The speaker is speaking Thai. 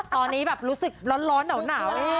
ตอนนี้แบบรู้สึกร้อนหนาว